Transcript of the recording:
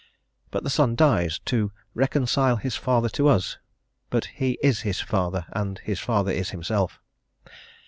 But the Son dies "to reconcile his Father to us;" but he is his Father, and his Father is himself.